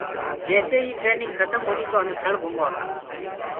جيسي هيِ ٽرينگ کتم هُري تو همي ٿݪ گھموآ گوآتا۔